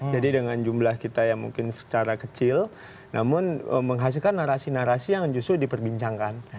jadi dengan jumlah kita yang mungkin secara kecil namun menghasilkan narasi narasi yang justru diperbincangkan